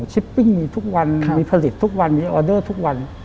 ปปิ้งมีทุกวันมีผลิตทุกวันมีออเดอร์ทุกวัน